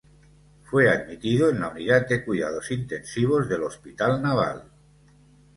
Fue admitido en la Unidad de Cuidados Intensivos del Hospital Naval.